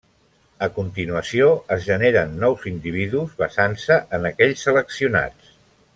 A continuació, es generen nous individus, basant-se en aquells seleccionats.